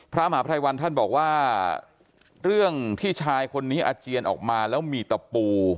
พระมหาภัยวันท่านบอกว่าเรื่องที่ชายคนนี้อาเจียนออกมาแล้วมีตะปู